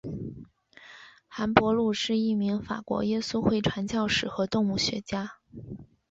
韩伯禄是一名法国耶稣会传教士和动物学家。